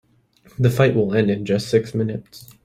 The fight will end in just six minutes.